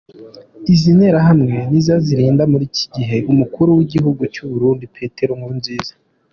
Izi nterahamwe ninazo zirinda muri ikigihe umukuru w’igihugu cy’u Burundi Petero Nkurunziza.